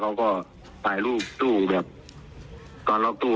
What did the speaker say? เขาก็ถ่ายรูปตู้กรรล็อตตู้